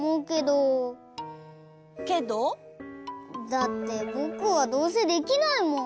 だってぼくはどうせできないもん。